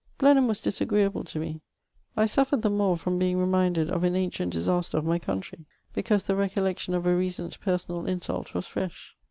Blenheim was disagreeable to me ; I suffered the more firom being reminded of an ancient disaster of my country, because the recollection of a recent personal insult was fresn.